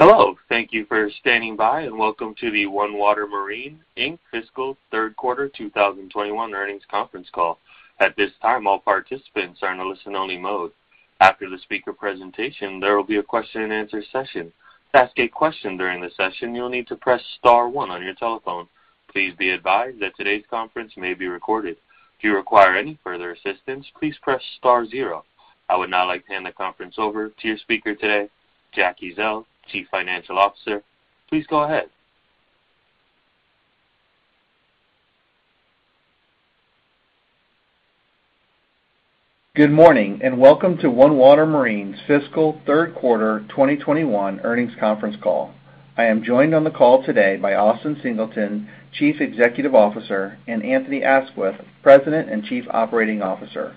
Hello, thank you for standing by, and welcome to the OneWater Marine Inc. fiscal third quarter 2021 earnings conference call. At this time, all participants are in listen-only mode. After the speaker presentation, there will be a question-and-answer session. To ask a question during the session, you'll need to press star one on your telephone. Please be advised that today's conference may be recorded. If you require any further assistance, please press star zero. I would now like to hand the conference over to your speaker today, Jack Ezzell, Chief Financial Officer. Please go ahead. Good morning and welcome to OneWater Marine's fiscal third quarter 2021 earnings conference call. I am joined on the call today by Austin Singleton, Chief Executive Officer, and Anthony Aisquith, President and Chief Operating Officer.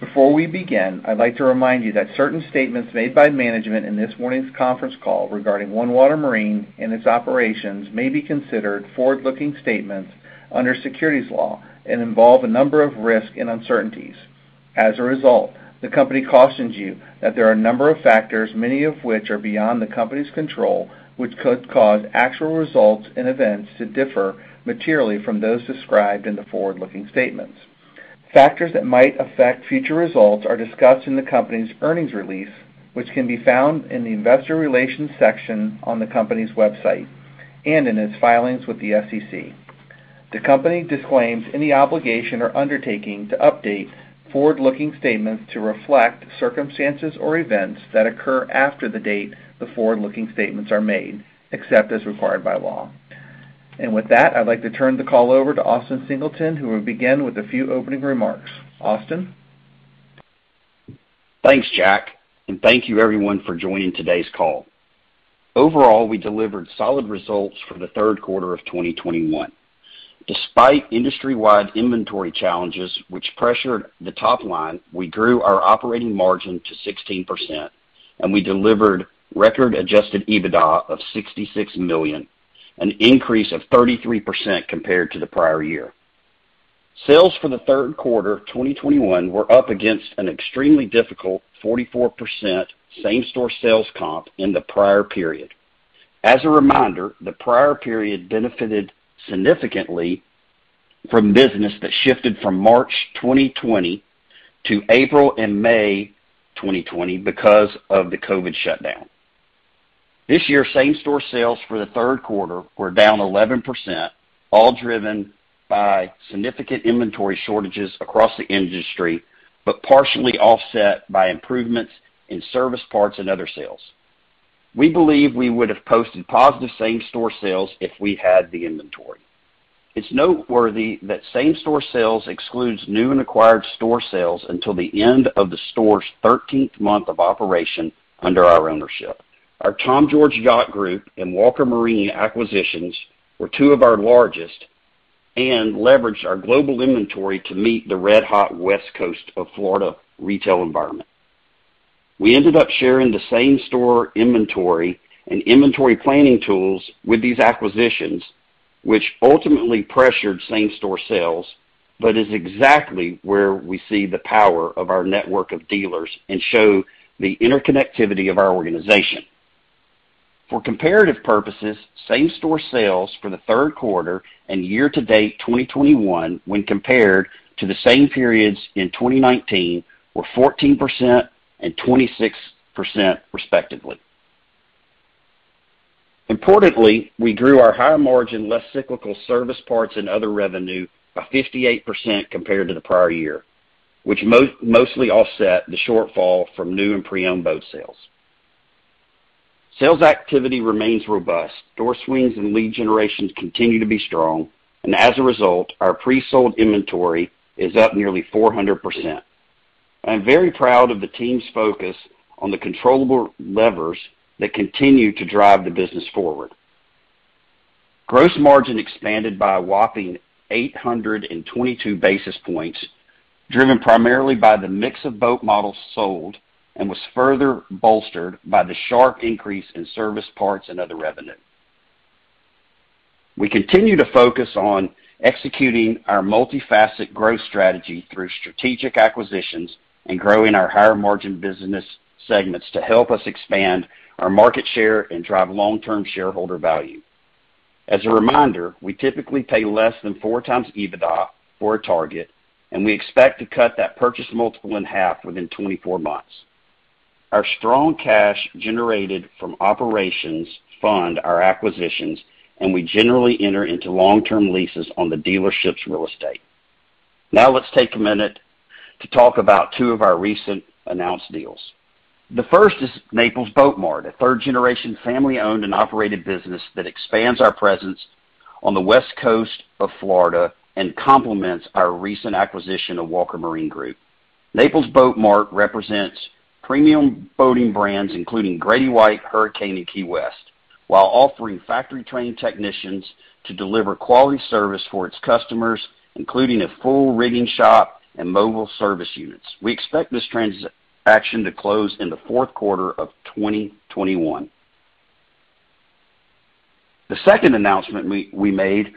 Before we begin, I'd like to remind you that certain statements made by management in this morning's conference call regarding OneWater Marine and its operations may be considered forward-looking statements under securities law and involve a number of risks and uncertainties. As a result, the company cautions you that there are a number of factors, many of which are beyond the company's control, which could cause actual results and events to differ materially from those described in the forward-looking statements. Factors that might affect future results are discussed in the company's earnings release, which can be found in the investor relations section on the company's website and in its filings with the SEC. The company disclaims any obligation or undertaking to update forward-looking statements to reflect circumstances or events that occur after the date the forward-looking statements are made, except as required by law. With that, I'd like to turn the call over to Austin Singleton, who will begin with a few opening remarks. Austin? Thanks, Jack. Thank you everyone for joining today's call. Overall, we delivered solid results for the third quarter of 2021. Despite industry-wide inventory challenges which pressured the top line, we grew our operating margin to 16%, and we delivered record adjusted EBITDA of $66 million, an increase of 33% compared to the prior year. Sales for the third quarter 2021 were up against an extremely difficult 44% same-store sales comp in the prior period. As a reminder, the prior period benefited significantly from business that shifted from March 2020 to April and May 2020 because of the COVID shutdown. This year, same-store sales for the third quarter were down 11%, all driven by significant inventory shortages across the industry, but partially offset by improvements in service parts and other sales. We believe we would have posted positive same-store sales if we had the inventory. It's noteworthy that same-store sales excludes new and acquired store sales until the end of the store's 13th month of operation under our ownership. Our Tom George Yacht Group and Walker Marine acquisitions were two of our largest and leveraged our global inventory to meet the red-hot West Coast of Florida retail environment. We ended up sharing the same-store inventory and inventory planning tools with these acquisitions, which ultimately pressured same-store sales, but is exactly where we see the power of our network of dealers and show the interconnectivity of our organization. For comparative purposes, same-store sales for the third quarter and year-to-date 2021, when compared to the same periods in 2019, were 14% and 26% respectively. Importantly, we grew our higher margin, less cyclical service parts and other revenue by 58% compared to the prior year, which mostly offset the shortfall from new and pre-owned boat sales. Sales activity remains robust. Door swings and lead generations continue to be strong, and as a result, our pre-sold inventory is up nearly 400%. I'm very proud of the team's focus on the controllable levers that continue to drive the business forward. Gross margin expanded by a whopping 822 basis points, driven primarily by the mix of boat models sold and was further bolstered by the sharp increase in service parts and other revenue. We continue to focus on executing our multi-facet growth strategy through strategic acquisitions and growing our higher margin business segments to help us expand our market share and drive long-term shareholder value. As a reminder, we typically pay less than 4x EBITDA for a target, and we expect to cut that purchase multiple in half within 24 months. Our strong cash generated from operations fund our acquisitions, and we generally enter into long-term leases on the dealership's real estate. Let's take a minute to talk about two of our recent announced deals. The first is Naples Boat Mart, a third-generation family-owned and operated business that expands our presence on the West Coast of Florida and complements our recent acquisition of Walker Marine Group. Naples Boat Mart represents premium boating brands including Grady-White, Hurricane, and Key West, while offering factory-trained technicians to deliver quality service for its customers, including a full rigging shop and mobile service units. We expect this transaction to close in the fourth quarter of 2021. The second announcement we made was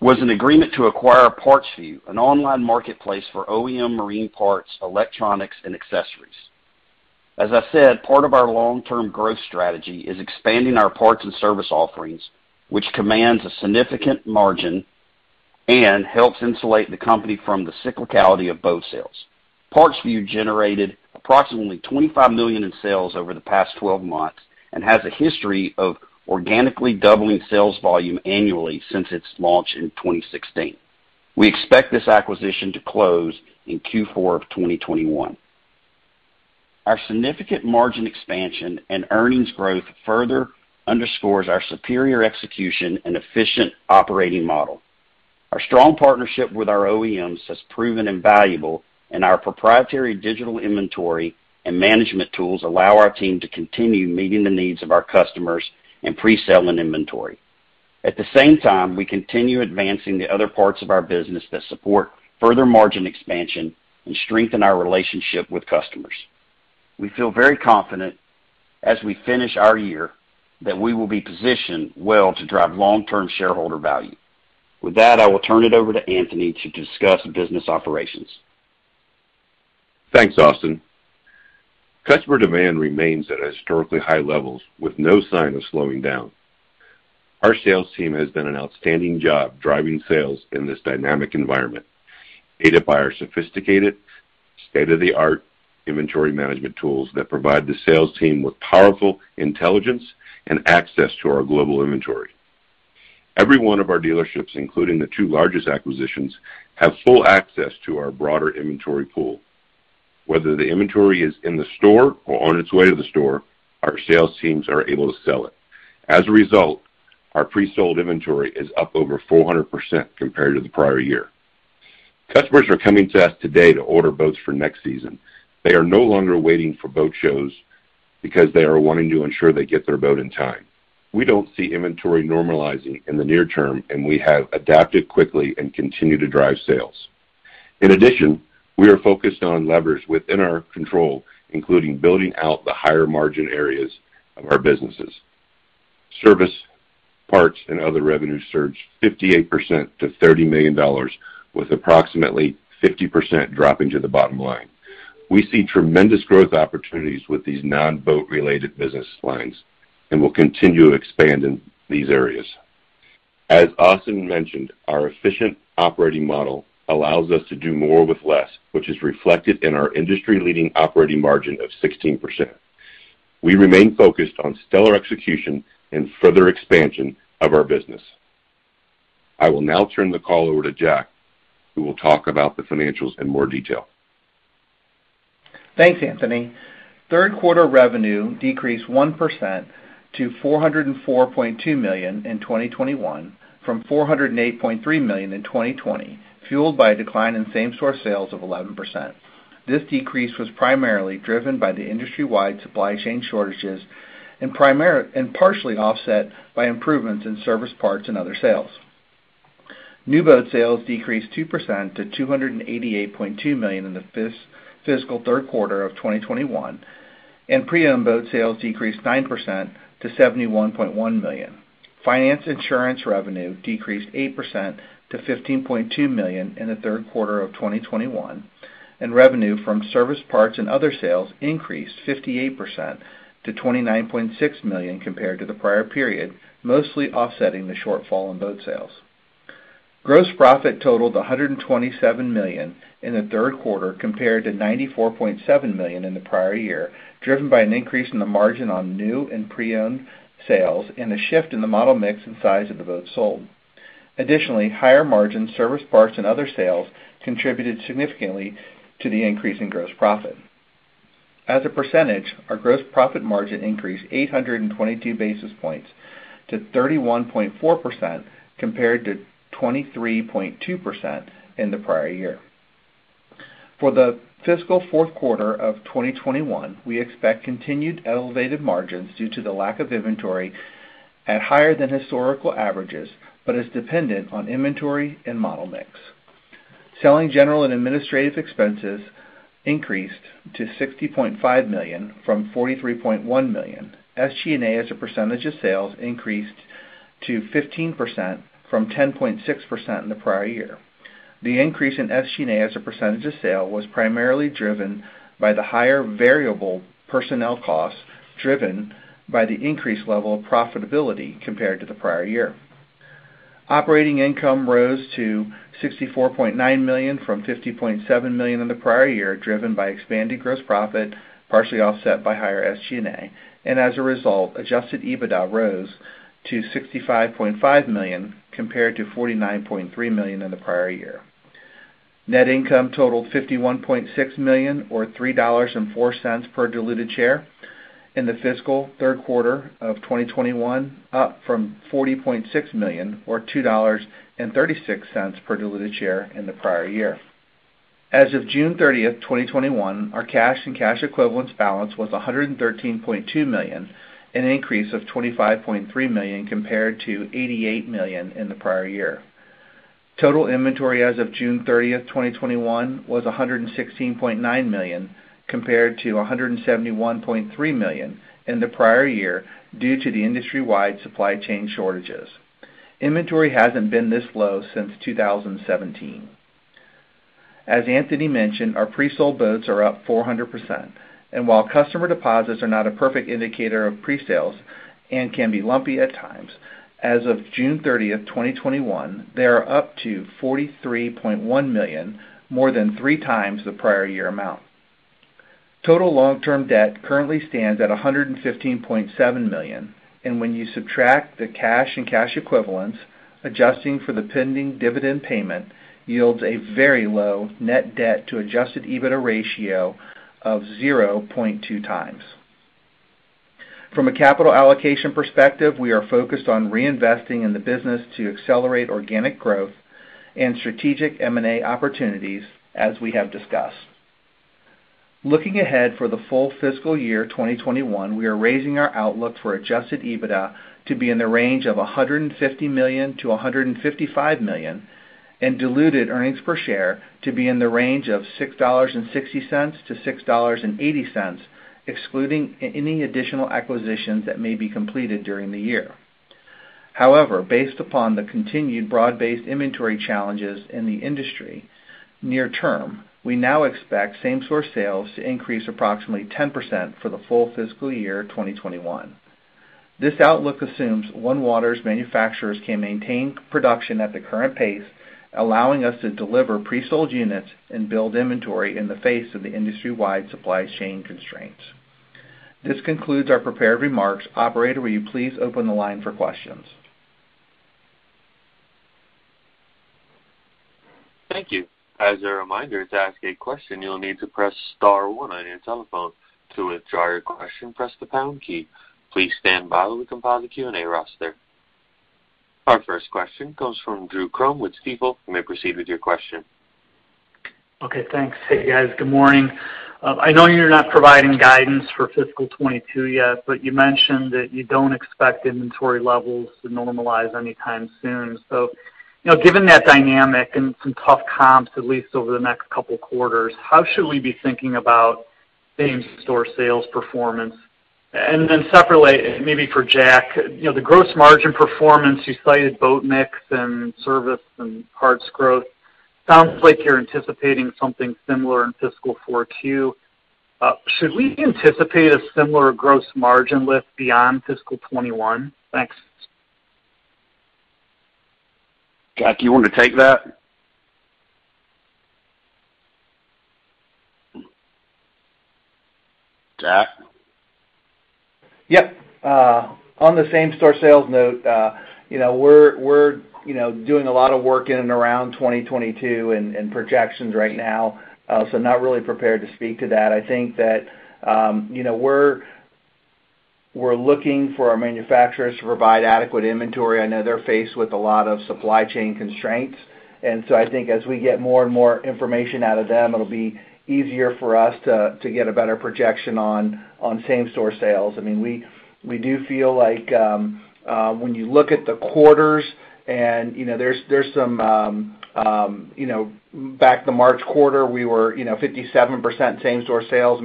an agreement to acquire PartsVu, an online marketplace for OEM marine parts, electronics, and accessories. As I said, part of our long-term growth strategy is expanding our parts and service offerings, which commands a significant margin and helps insulate the company from the cyclicality of boat sales. PartsVu generated approximately $25 million in sales over the past 12 months and has a history of organically doubling sales volume annually since its launch in 2016. We expect this acquisition to close in Q4 of 2021. Our significant margin expansion and earnings growth further underscores our superior execution and efficient operating model. Our strong partnership with our OEMs has proven invaluable, our proprietary digital inventory and management tools allow our team to continue meeting the needs of our customers in pre-selling inventory. At the same time, we continue advancing the other parts of our business that support further margin expansion and strengthen our relationship with customers. We feel very confident as we finish our year that we will be positioned well to drive long-term shareholder value. With that, I will turn it over to Anthony to discuss business operations. Thanks, Austin. Customer demand remains at historically high levels with no sign of slowing down. Our sales team has done an outstanding job driving sales in this dynamic environment, aided by our sophisticated state-of-the-art inventory management tools that provide the sales team with powerful intelligence and access to our global inventory. Every one of our dealerships, including the two largest acquisitions, have full access to our broader inventory pool. Whether the inventory is in the store or on its way to the store, our sales teams are able to sell it. As a result, our pre-sold inventory is up over 400% compared to the prior year. Customers are coming to us today to order boats for next season. They are no longer waiting for boat shows because they are wanting to ensure they get their boat in time. We don't see inventory normalizing in the near term, and we have adapted quickly and continue to drive sales. In addition, we are focused on levers within our control, including building out the higher margin areas of our businesses. Service, parts, and other revenues surged 58% to $30 million, with approximately 50% dropping to the bottom line. We see tremendous growth opportunities with these non-boat related business lines, and we'll continue expanding these areas. As Austin mentioned, our efficient operating model allows us to do more with less, which is reflected in our industry-leading operating margin of 16%. We remain focused on stellar execution and further expansion of our business. I will now turn the call over to Jack, who will talk about the financials in more detail. Thanks, Anthony. Third quarter revenue decreased 1% to $404.2 million in 2021 from $408.3 million in 2020, fueled by a decline in same-store sales of 11%. This decrease was primarily driven by the industry-wide supply chain shortages and partially offset by improvements in service parts and other sales. New boat sales decreased 2% to $288.2 million in the fiscal third quarter of 2021, and pre-owned boat sales decreased 9% to $71.1 million. Finance and insurance revenue decreased 8% to $15.2 million in the third quarter of 2021, and revenue from service parts and other sales increased 58% to $29.6 million compared to the prior period, mostly offsetting the shortfall in boat sales. Gross profit totaled $127 million in the third quarter compared to $94.7 million in the prior year, driven by an increase in the margin on new and pre-owned sales and a shift in the model mix and size of the boats sold. Additionally, higher margin service parts and other sales contributed significantly to the increase in gross profit. As a percentage, our gross profit margin increased 822 basis points to 31.4%, compared to 23.2% in the prior year. For the fiscal fourth quarter of 2021, we expect continued elevated margins due to the lack of inventory at higher than historical averages, but is dependent on inventory and model mix. Selling general and administrative expenses increased to $60.5 million from $43.1 million. SG&A as a percentage of sales increased to 15% from 10.6% in the prior year. The increase in SG&A as a percentage of sale was primarily driven by the higher variable personnel costs, driven by the increased level of profitability compared to the prior year. Operating income rose to $64.9 million from $50.7 million in the prior year, driven by expanded gross profit, partially offset by higher SG&A. As a result, adjusted EBITDA rose to $65.5 million compared to $49.3 million in the prior year. Net income totaled $51.6 million or $3.04 per diluted share in the fiscal third quarter of 2021, up from $40.6 million or $2.36 per diluted share in the prior year. As of June 30th, 2021, our cash and cash equivalents balance was $113.2 million, an increase of $25.3 million compared to $88 million in the prior year. Total inventory as of June 30th, 2021, was $116.9 million, compared to $171.3 million in the prior year, due to the industry-wide supply chain shortages. Inventory hasn't been this low since 2017. As Anthony mentioned, our pre-sold boats are up 400%, and while customer deposits are not a perfect indicator of pre-sales and can be lumpy at times, as of June 30th, 2021, they are up to $43.1 million, more than three times the prior year amount. Total long-term debt currently stands at $115.7 million, and when you subtract the cash and cash equivalents, adjusting for the pending dividend payment yields a very low net debt to adjusted EBITDA ratio of 0.2x. From a capital allocation perspective, we are focused on reinvesting in the business to accelerate organic growth and strategic M&A opportunities as we have discussed. Looking ahead for the full fiscal year 2021, we are raising our outlook for adjusted EBITDA to be in the range of $150 million-$155 million, and diluted earnings per share to be in the range of $6.60-$6.80, excluding any additional acquisitions that may be completed during the year. Based upon the continued broad-based inventory challenges in the industry near term, we now expect same-store sales to increase approximately 10% for the full fiscal year 2021. This outlook assumes OneWater's manufacturers can maintain production at the current pace, allowing us to deliver pre-sold units and build inventory in the face of the industry-wide supply chain constraints. This concludes our prepared remarks. Operator, will you please open the line for questions? Thank you. As a reminder, to ask a question, you'll need to press star one on your telephone. To withdraw your question, press the pound key. Please stand by while we compile the Q&A roster. Our first question comes from Drew Crum with Stifel. You may proceed with your question. Okay, thanks. Hey, guys. Good morning. I know you're not providing guidance for fiscal 2022 yet, but you mentioned that you don't expect inventory levels to normalize anytime soon. Given that dynamic and some tough comps, at least over the next two quarters, how should we be thinking about same-store sales performance? Separately, maybe for Jack, the gross margin performance, you cited boat mix and service and parts growth. Sounds like you're anticipating something similar in fiscal 4Q. Should we anticipate a similar gross margin lift beyond fiscal 2021? Thanks. Jack, you want to take that? Jack? Yep. On the same-store sales note, we're doing a lot of work in and around 2022 and projections right now, so not really prepared to speak to that. I think that we're looking for our manufacturers to provide adequate inventory. I know they're faced with a lot of supply chain constraints, and so I think as we get more and more information out of them, it'll be easier for us to get a better projection on same-store sales. We do feel like when you look at the quarters and back the March quarter, we were 57% same-store sales.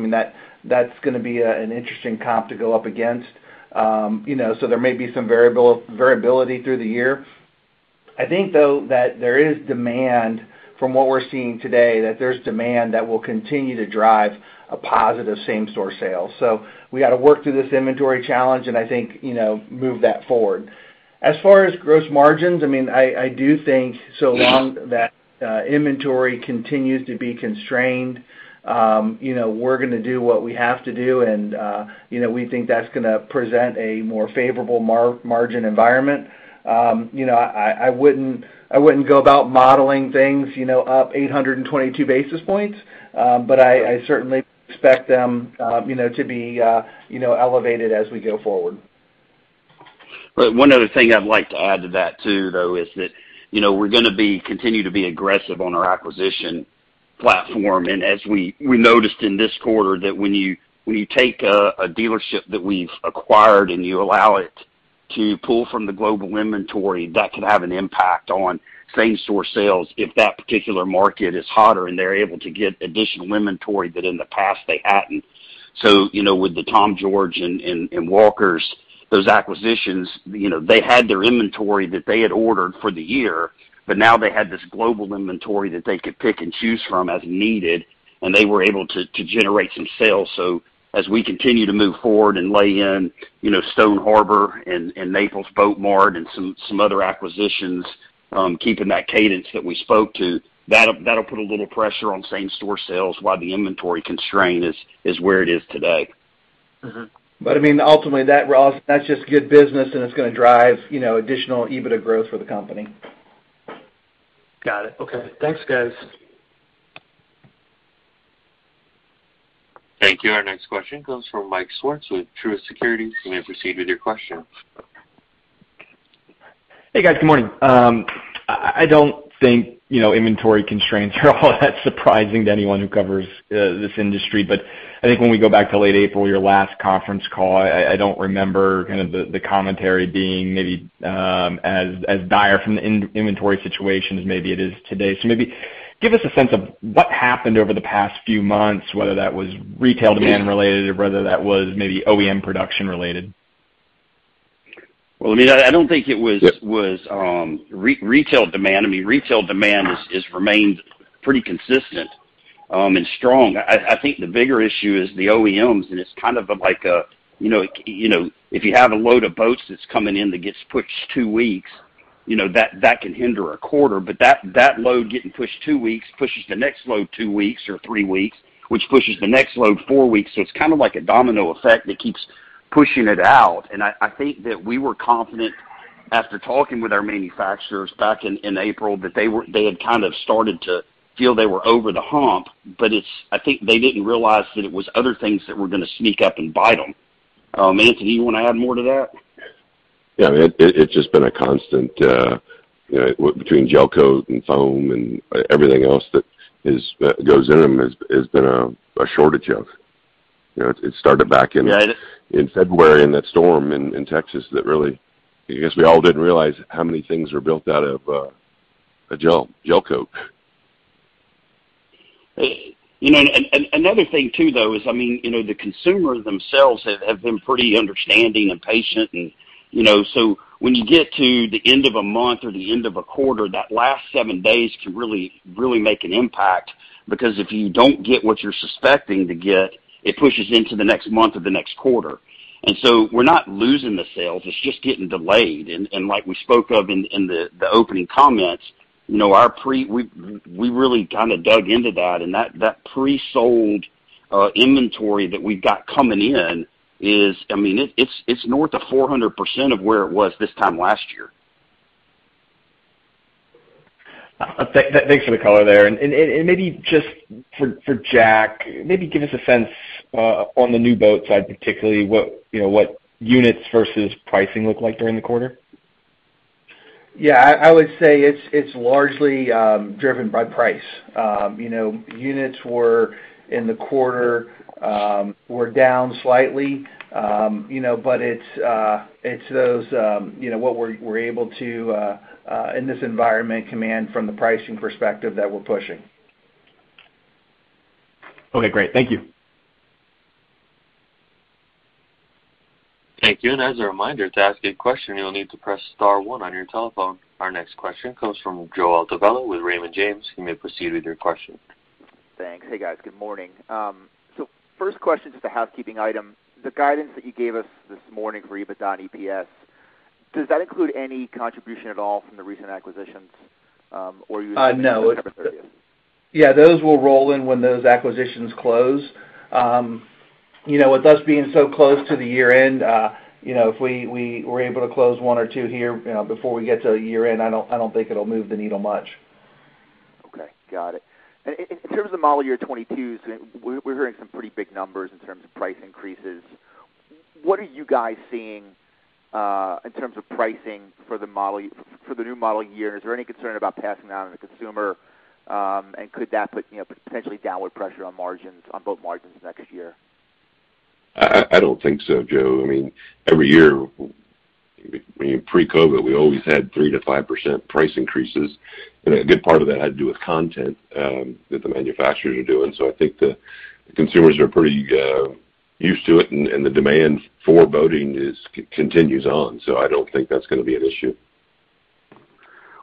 That's going to be an interesting comp to go up against. There may be some variability through the year. I think, though, that there is demand from what we're seeing today, that there's demand that will continue to drive a positive same-store sale. We got to work through this inventory challenge, and I think move that forward. As far as gross margins, I do think so long that inventory continues to be constrained, we're going to do what we have to do, and we think that's going to present a more favorable margin environment. I wouldn't go about modeling things up 822 basis points, but I certainly expect them to be elevated as we go forward. One other thing I'd like to add to that, too, though, is that we're going to continue to be aggressive on our acquisition platform, and as we noticed in this quarter that when you take a dealership that we've acquired and you allow it to pull from the global inventory, that could have an impact on same-store sales if that particular market is hotter and they're able to get additional inventory that in the past they hadn't. With the Tom George and Walkers, those acquisitions, they had their inventory that they had ordered for the year, but now they had this global inventory that they could pick and choose from as needed, and they were able to generate some sales. As we continue to move forward and lay in Stone Harbor and Naples Boat Mart and some other acquisitions, keeping that cadence that we spoke to, that'll put a little pressure on same-store sales while the inventory constraint is where it is today. Ultimately, that's just good business, and it's going to drive additional EBITDA growth for the company. Got it. Okay. Thanks, guys. Thank you. Our next question comes from Michael Swartz with Truist Securities. You may proceed with your question. Hey, guys. Good morning. I don't think inventory constraints are all that surprising to anyone who covers this industry. I think when we go back to late April, your last conference call, I don't remember the commentary being maybe as dire from the inventory situation as maybe it is today. Maybe give us a sense of what happened over the past few months, whether that was retail demand related or whether that was maybe OEM production related. Well, I don't think it was retail demand. Retail demand has remained pretty consistent and strong. I think the bigger issue is the OEMs, and it's kind of like if you have a load of boats that's coming in that gets pushed two weeks, that can hinder a quarter. That load getting pushed two weeks pushes the next load two weeks or three weeks, which pushes the next load four weeks. It's kind of like a domino effect, and it keeps pushing it out. I think that we were confident after talking with our manufacturers back in April that they had kind of started to feel they were over the hump, but I think they didn't realize that it was other things that were going to sneak up and bite them. Anthony, you want to add more to that? Yeah. It's just been a constant between gelcoat and foam and everything else that goes in them, has been a shortage of. It started back in February in that storm in Texas. I guess we all didn't realize how many things are built out of a gelcoat. Another thing, too, though is the consumer themselves have been pretty understanding and patient. When you get to the end of a month or the end of a quarter, that last seven days can really make an impact, because if you don't get what you're suspecting to get, it pushes into the next month or the next quarter. We're not losing the sales. It's just getting delayed. Like we spoke of in the opening comments, we really kind of dug into that, and that pre-sold inventory that we've got coming in is north of 400% of where it was this time last year. Thanks for the color there. Maybe just for Jack, maybe give us a sense on the new boat side, particularly what units versus pricing look like during the quarter. Yeah, I would say it's largely driven by price. Units in the quarter were down slightly. It's what we're able to, in this environment, command from the pricing perspective that we're pushing. Okay, great. Thank you. Thank you. As a reminder, to ask a question, you'll need to press star one on your telephone. Our next question comes from Joseph Altobello with Raymond James. You may proceed with your question. Thanks. Hey, guys. Good morning. First question, just a housekeeping item. The guidance that you gave us this morning for EBITDA and EPS, does that include any contribution at all from the recent acquisitions, or are you? No. September 30th? Those will roll in when those acquisitions close. With us being so close to the year-end, if we were able to close one or two here before we get to year-end, I don't think it'll move the needle much. Okay. Got it. In terms of model year 2022, we're hearing some pretty big numbers in terms of price increases. What are you guys seeing in terms of pricing for the new model year? Is there any concern about passing that on to the consumer, and could that put potentially downward pressure on boat margins next year? I don't think so, Joe. Every year, pre-COVID, we always had 3%-5% price increases, and a good part of that had to do with content that the manufacturers are doing. I think the consumers are pretty used to it, and the demand for boating continues on. I don't think that's going to be an issue.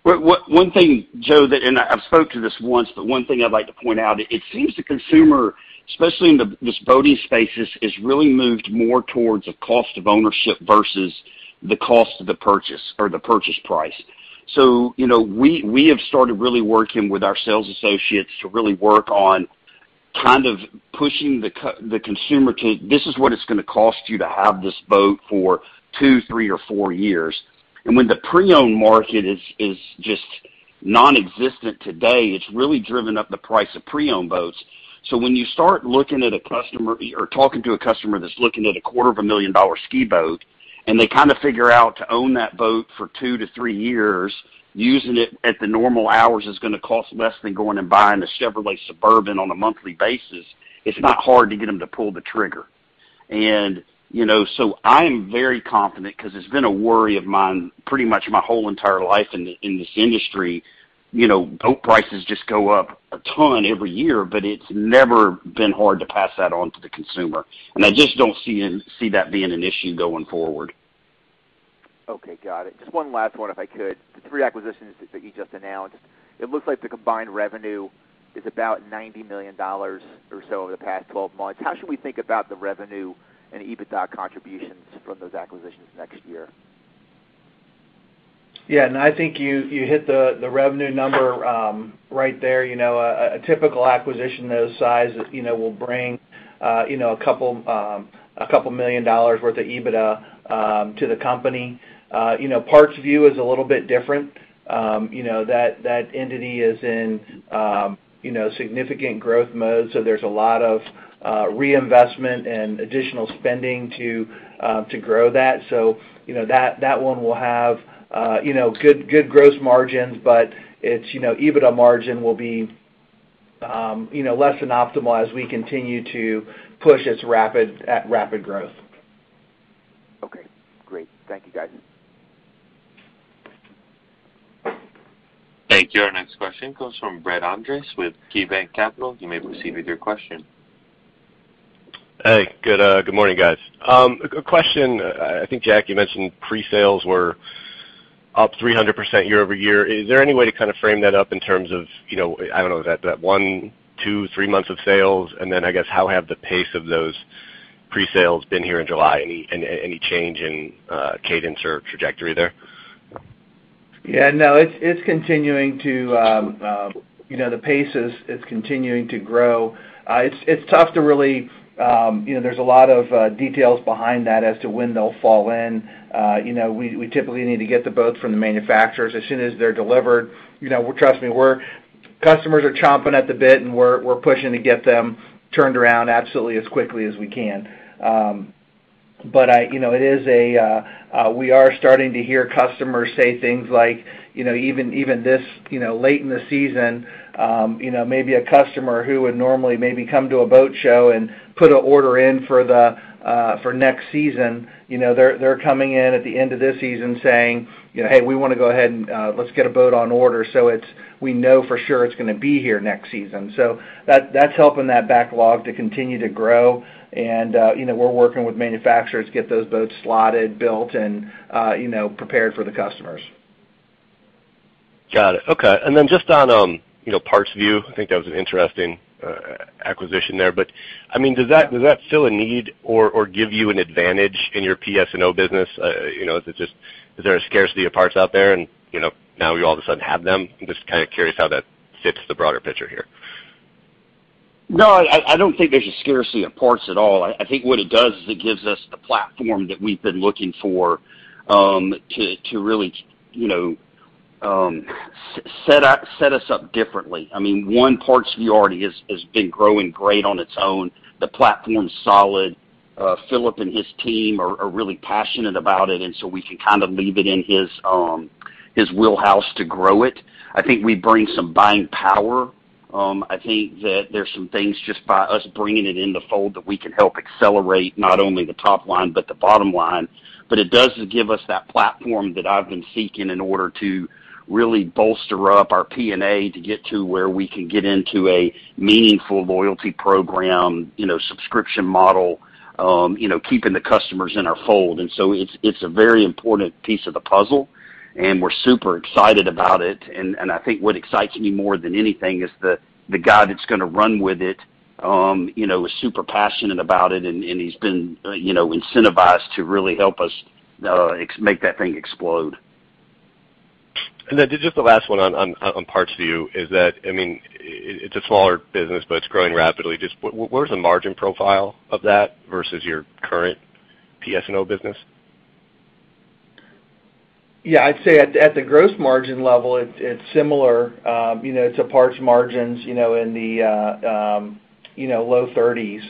One thing, Joe, I've spoken to this once, but one thing I'd like to point out, it seems the consumer, especially in this boating space, has really moved more towards a cost of ownership versus the cost of the purchase or the purchase price. We have started really working with our sales associates to really work on kind of pushing the consumer to, "This is what it's going to cost you to have this boat for two, three, or four years." When the pre-owned market is just non-existent today, it's really driven up the price of pre-owned boats. When you start looking at a customer or talking to a customer that's looking at a quarter of a million dollar ski boat, and they kind of figure out to own that boat for two to three years, using it at the normal hours is going to cost less than going and buying a Chevrolet Suburban on a monthly basis, it's not hard to get them to pull the trigger. I am very confident because it's been a worry of mine pretty much my whole entire life in this industry. Boat prices just go up a ton every year, but it's never been hard to pass that on to the consumer. I just don't see that being an issue going forward. Okay, got it. Just one last one, if I could. The three acquisitions that you just announced, it looks like the combined revenue is about $90 million or so over the past 12 months. How should we think about the revenue and EBITDA contributions from those acquisitions next year? Yeah, I think you hit the revenue number right there. A typical acquisition those size will bring a couple of million dollars worth of EBITDA to the company. PartsVu is a little bit different. That entity is in significant growth mode. There's a lot of reinvestment and additional spending to grow that. That one will have good gross margins, but its EBITDA margin will be less than optimal as we continue to push its rapid growth. Thank you, guys. Thank you. Our next question comes from Brett Andress with KeyBanc Capital Markets. You may proceed with your question. Hey, good morning, guys. A question. I think, Jack, you mentioned pre-sales were up 300% year-over-year. Is there any way to kind of frame that up in terms of, I don't know, is that one, two, three months of sales? Then, I guess, how have the pace of those pre-sales been here in July? Any change in cadence or trajectory there? Yeah, no, the pace is continuing to grow. There's a lot of details behind that as to when they'll fall in. We typically need to get the boats from the manufacturers as soon as they're delivered. Trust me, customers are chomping at the bit, and we're pushing to get them turned around absolutely as quickly as we can. We are starting to hear customers say things like, even this late in the season, maybe a customer who would normally maybe come to a boat show and put an order in for next season, they're coming in at the end of this season saying, "Hey, we want to go ahead and let's get a boat on order so we know for sure it's going to be here next season." That's helping that backlog to continue to grow, and we're working with manufacturers to get those boats slotted, built, and prepared for the customers. Got it. Okay. Just on PartsVu, I think that was an interesting acquisition there. Does that fill a need or give you an advantage in your PS&O business? Is there a scarcity of parts out there, and now you all of a sudden have them? I'm just kind of curious how that fits the broader picture here. No, I don't think there's a scarcity of parts at all. I think what it does is it gives us the platform that we've been looking for to really set us up differently. PartsVu already has been growing great on its own. The platform's solid. Philip and his team are really passionate about it, we can kind of leave it in his wheelhouse to grow it. I think we bring some buying power. I think that there's some things just by us bringing it in the fold that we can help accelerate not only the top line, but the bottom line. It does give us that platform that I've been seeking in order to really bolster up our P&A to get to where we can get into a meaningful loyalty program subscription model, keeping the customers in our fold. It's a very important piece of the puzzle, and we're super excited about it. I think what excites me more than anything is the guy that's going to run with it is super passionate about it, and he's been incentivized to really help us make that thing explode. Just the last one on PartsVu is that it's a smaller business, but it's growing rapidly. Just where's the margin profile of that versus your current PS&O business? Yeah, I'd say at the gross margin level, it's similar to Parts margins in the low 30s.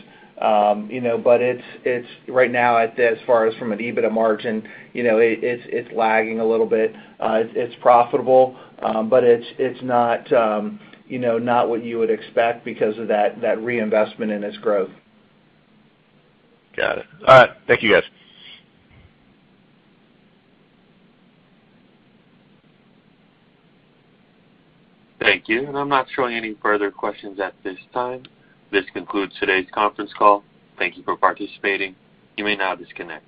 Right now, as far as from an EBITDA margin, it's lagging a little bit. It's profitable, but it's not what you would expect because of that reinvestment in its growth. Got it. All right. Thank you, guys. Thank you. I'm not showing any further questions at this time. This concludes today's conference call. Thank you for participating. You may now disconnect.